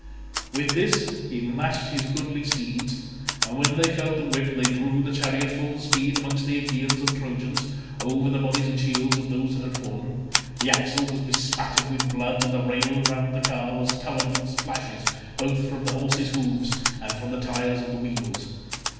With this he lashed his goodly steeds, and when they felt the whip they drew the chariot full speed among the Achaeans and Trojans, over the bodies and shields of those that had fallen: the axle was bespattered with blood, and the rail round the car was covered with splashes both from the horses' hoofs and from the tyres of the wheels.